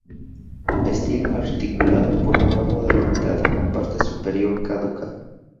Estilo articulado por debajo de la mitad, con parte superior caduca.